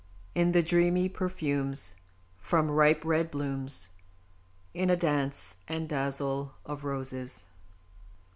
In the dreamy perfumes From ripe red blooms In a dance and a dazzle of Roses.